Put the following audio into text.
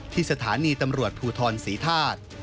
ที่สถานีตำรวจภูทรศรีธาตุ